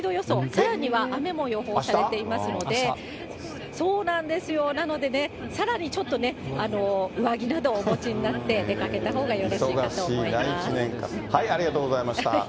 さらには、雨も予報されていますので、なので、さらにちょっと上着などをお持ちになって出かけたほうがよろしいありがとうございました。